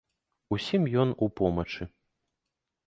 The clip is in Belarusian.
Усім ён у помачы.